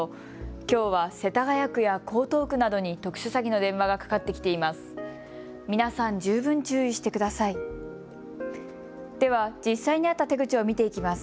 きょうは世田谷区や江東区などに特殊詐欺の電話がかかってきています。